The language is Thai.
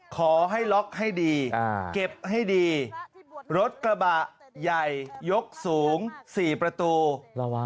ขอให้ล็อกให้ดีเก็บให้ดีรถกระบะใหญ่ยกสูง๔ประตูระวัง